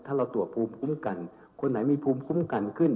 ถ้าเราตรวจภูมิคุ้มกันคนไหนมีภูมิคุ้มกันขึ้น